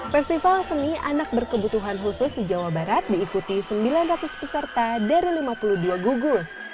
festival seni anak berkebutuhan khusus di jawa barat diikuti sembilan ratus peserta dari lima puluh dua gugus